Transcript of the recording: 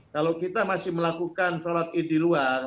kalau kita masih melakukan sholat id di luar